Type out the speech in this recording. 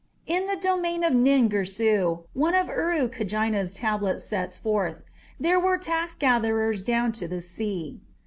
"In the domain of Nin Girsu", one of Urukagina's tablets sets forth, "there were tax gatherers down to the sea."